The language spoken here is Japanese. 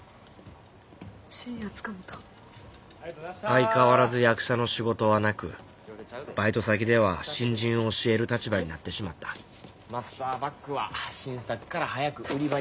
相変わらず役者の仕事はなくバイト先では新人を教える立場になってしまったマスターバックは新作から早く売り場に戻す。